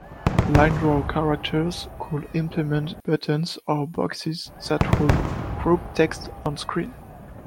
Line-draw characters could implement buttons or boxes that would group text on screen.